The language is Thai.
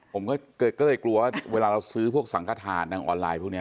ผมก็เลยกลัวว่าเวลาเราซื้อพวกสังขทานทางออนไลน์พวกนี้